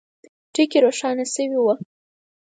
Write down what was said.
ټکي روښانه سوي وه.